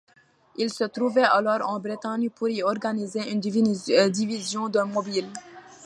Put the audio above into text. Il se trouvait alors en Bretagne pour y organiser une division de Mobiles.